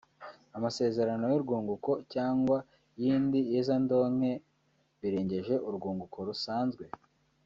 amasezerano y’urwunguko cyangwa y’indi yezandonke birengeje urwunguko rusanzwe